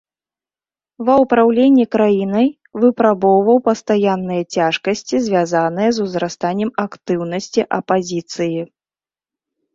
Ва ўпраўленні краінай выпрабоўваў пастаянныя цяжкасці, звязаныя з узрастаннем актыўнасці апазіцыі.